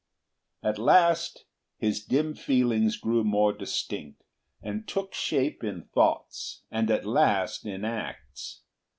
At last his dim feelings grew more distinct, and took shape in thoughts and at last in acts.